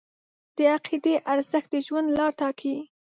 د عقیدې ارزښت د ژوند لار ټاکي.